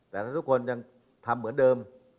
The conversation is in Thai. แต่ถ้าทุกคนยังทำเหมือนเดิม